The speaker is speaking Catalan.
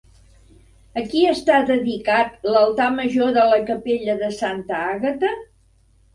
A qui està dedicat l'altar major de la capella de Santa Àgata?